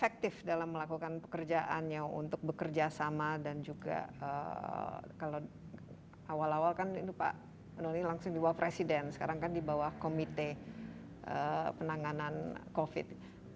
kalau awal awal kan ini pak noli langsung dibawa presiden sekarang kan dibawa komite penanganan covid